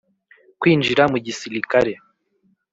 kwinjira mu gisilikare